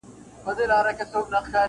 • لا ورته ګوري سره اورونه د سکروټو دریاب -